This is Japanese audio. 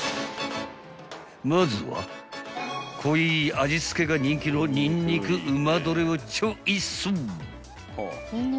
［まずは濃い味付けが人気のにんにく旨ドレをチョイス］